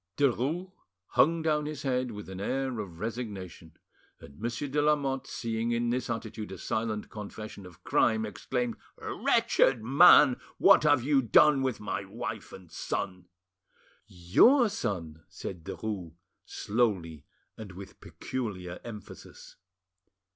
Derues hung down his head with an air of resignation; and Monsieur de Lamotte, seeing in this attitude a silent confession of crime, exclaimed, "Wretched man! what have you done with my wife and my son?" "Your son!—" said Derues slowly and with peculiar emphasis.